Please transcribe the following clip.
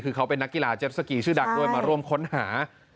คือเขาเป็นนักกีฬาเจฟสกีชื่อดังด้วยมาร่วมค้นหา